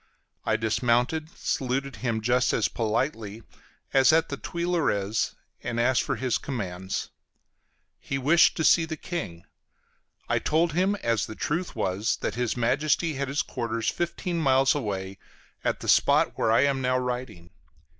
I dismounted, saluted him just as politely as at the Tuileries, and asked for his commands. He wished to see the King; I told him, as the truth was, that his Majesty had his quarters fifteen miles away, at the spot where I am now writing.